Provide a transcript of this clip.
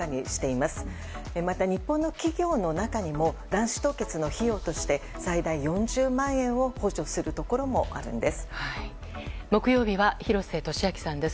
また日本の企業の中にも卵子凍結の費用として最大４０万円を補助するところもあるんです。